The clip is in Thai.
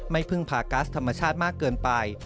ไม่พึ่งพากัสธรรมชาติมากเกินไป